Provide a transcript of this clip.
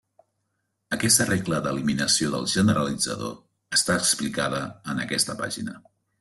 Aquesta regla d'eliminació del generalitzador està explicada en aquesta pàgina.